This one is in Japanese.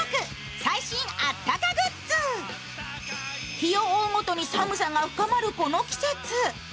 日を追うごとに寒さが深まるこの季節。